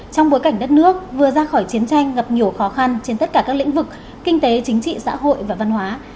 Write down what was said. trong bối cảnh đất nước vừa ra khỏi chiến tranh gặp nhiều khó khăn trên tất cả các lĩnh vực kinh tế chính trị xã hội và văn hóa